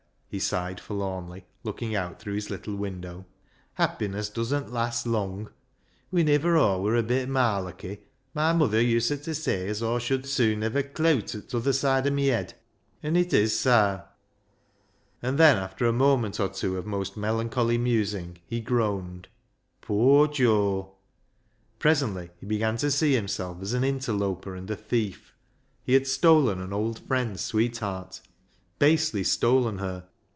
" he sighed forlornly, looking out through his little window, "happiness doesn't 292 BECKSIDE LIGHTS last lung! Wheniver Aw wur a bit marlocky my muther uset say as Aw shud sewn hev' a clewt at th' t'other soide o' mi yed ; an' it is sa." And then after a moment or two of most melancholy musing, he groaned —" Poor Joe !" Presently he began to see himself as an interloper and thief. He had stolen an old friend's sweetheart. Basely stolen her